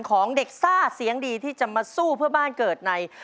ของเด็กซ่าเสียงดีที่จะมาสู้เพื่อบ้านเกิดใน